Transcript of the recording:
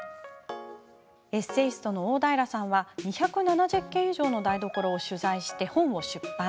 エッセイストの大平さんは２７０軒以上の台所を取材し本を出版。